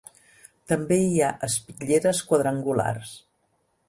També hi ha espitlleres quadrangulars.